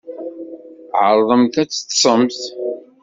Ɛerḍemt ad teṭṭsemt.